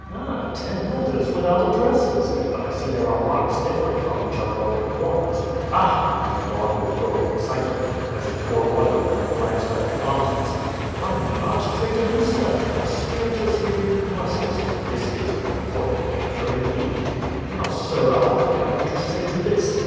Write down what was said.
Ah, ten letters without addresses! But I see there are marks different from each other on the corners. Ah!" he went on with growing excitement, as he tore one open and glanced at the contents, "from the arch traitor himself to conspirators here in Brussels. This is an important capture indeed. Now, sirrah, what have you to say to this?